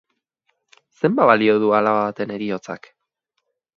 Zenbat balio du alaba baten heriotzak?